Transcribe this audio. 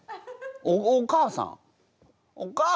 お母さん。